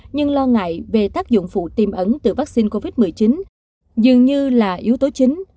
nhưng lo ngại về tác dụng phụ tiềm ẩn từ vaccine covid một mươi chín dường như là yếu tố chính